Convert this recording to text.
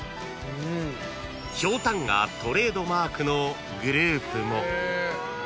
［ひょうたんがトレードマークのグループも］